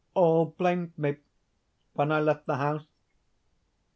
_) "All blamed me when I left the house.